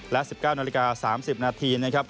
และ๑๙นาฬิกา๓๐นาทีนะครับ